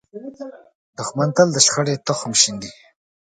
دښمن تل د شخړې تخم شیندي